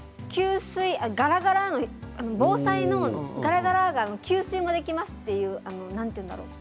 防災のガラガラが給水もできますという何て言うんだろう？